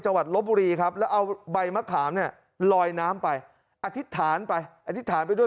จังหวัดลบรีครับแล้วเอาใบมะขามลอยน้ำไปอธิษฐานไปอธิษฐานไปด้วย